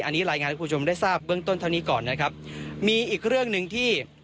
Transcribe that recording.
อันนี้รายงานให้คุณผู้ชมได้ทราบเบื้องต้นเท่านี้ก่อนนะครับมีอีกเรื่องหนึ่งที่